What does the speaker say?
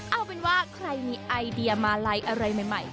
เอาเป็นว่าใครมีไอเดียมาลัยอะไรใหม่